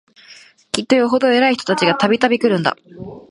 きっとよほど偉い人たちが、度々来るんだ